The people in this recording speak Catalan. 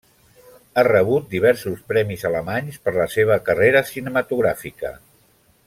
Ha rebut diversos premis alemanys per la seva carrera cinematogràfica.